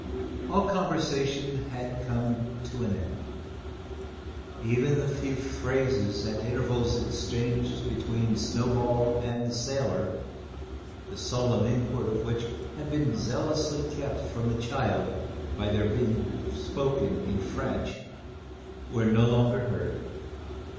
All conversation had come to an end. Even the few phrases at intervals exchanged between Snowball and the sailor, the solemn import of which had been zealously kept from the child by their being spoken in French were no longer heard.